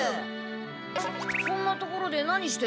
こんな所で何してんだ？